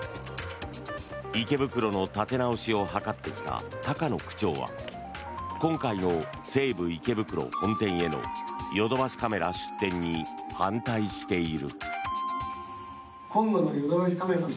池袋の立て直しを図ってきた高野区長は今回の西武池袋本店へのヨドバシカメラ出店に反対している。